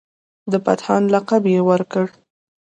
د پتهان لقب یې ورکړ.